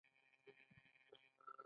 د مهاجرینو راستنیدل اقتصاد ته ګټه لري؟